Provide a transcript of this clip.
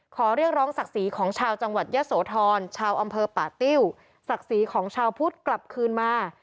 ขอเรียกร้องศักดิ์ศรีของชาวจังหวัดยะโสธรชาวอำเภอป่าติ้วศักดิ์ศรีของชาวพุทธกลับคืนมา